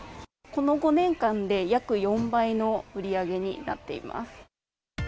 この５年間で約４倍の売り上げになっています。